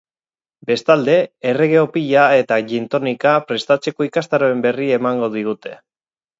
Bestalde, errege opila eta gin tonica prestatzeko ikastaroen berri emango digute.